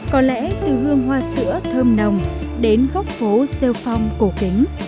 có lẽ từ hương hoa sữa thơm nồng đến góc phố siêu phong cổ kính